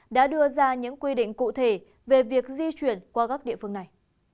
đã đưa ra những quy định cụ thể về việc di chuyển qua các địa phương này